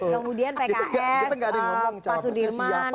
kemudian pks pak sudirman